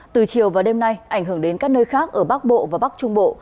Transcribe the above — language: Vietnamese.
từ chiều và đêm nay ảnh hưởng đến các nơi khác ở bắc bộ và bắc trung bộ